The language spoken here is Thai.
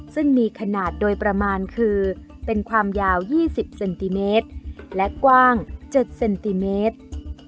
ซึ่งมีขนาดโดยประมาณคือเป็นความยาว๒๐เซนติเมตรและกว้าง๗เซนติเมตร